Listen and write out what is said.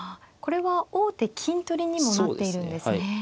これは王手金取りにもなっているんですね。